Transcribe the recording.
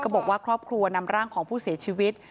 บอกว่าครอบครัวนำร่างของผู้เสียชีวิต